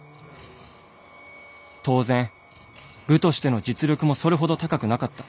当然部としての実力もそれほど高くなかった。